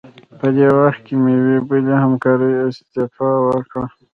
په دې وخت کې مې یوې بلې همکارې استعفا ورکړه.